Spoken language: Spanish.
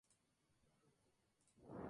Su tamaño puede ser algo mayor.